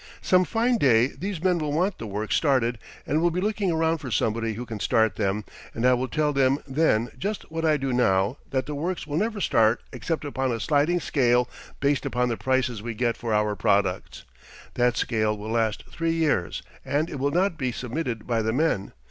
Some fine day these men will want the works started and will be looking around for somebody who can start them, and I will tell them then just what I do now: that the works will never start except upon a sliding scale based upon the prices we get for our products. That scale will last three years and it will not be submitted by the men.